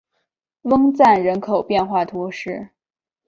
翁赞人口变化图示